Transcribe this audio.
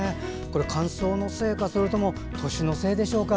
乾燥のせいかそれとも年のせいでしょうか。